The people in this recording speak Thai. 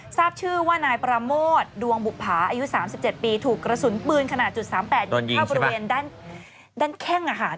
ทราบชื่อว่านายปราโมทดวงบุภาอายุ๓๗ปีถูกกระสุนปืนขนาด๓๘ยิงเข้าบริเวณด้านแข้งอาหาร